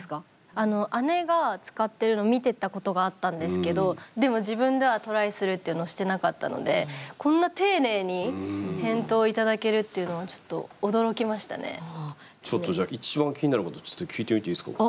姉が使ってるの見てたことがあったんですけどでも自分ではトライするっていうのをしてなかったのでちょっとじゃあ一番気になることちょっと聞いてみていいですか？